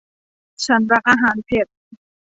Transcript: ฉันรักอาหารเผ็ด